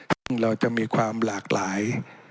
ซึ่งเราจะมีความหลากหลาย